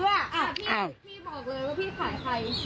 พี่บอกเลยว่าพี่ขายใคร